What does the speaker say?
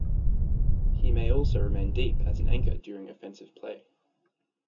He may also remain deep as an anchor during offensive play.